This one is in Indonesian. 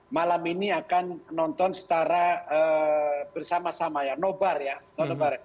malam ini akan nonton secara bersama sama ya nobar yabar